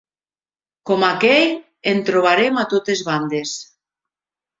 Com aquell, en trobarem a totes bandes.